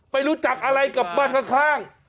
ไปรู้จักอะไรกับบ้านข้าง